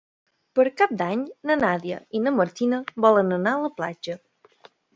Per Cap d'Any na Nàdia i na Martina volen anar a la platja.